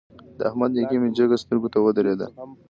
د احمد نېکي مې جګه سترګو ته ودرېده.